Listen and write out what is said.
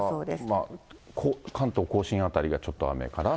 まあ、関東甲信辺りがちょっと雨かな。